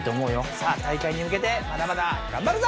さあ大会にむけてまだまだがんばるぞ！